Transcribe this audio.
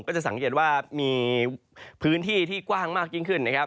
ก็สังเกตว่ามีพื้นที่ที่กว้างมากยิ่งขึ้น